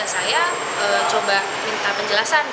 saya coba minta penjelasan